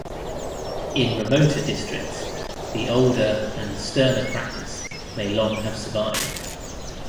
In remoter districts the older and sterner practice may long have survived.